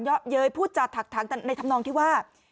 เพราะเย้ยพูดจากถักทั้งในธรรมนองที่ว่า